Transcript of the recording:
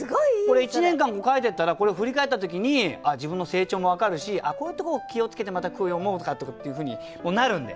これ１年間も書いてったらこれ振り返った時に自分の成長も分かるしこういうところ気を付けてまた句を詠もうとかっていうふうになるんで。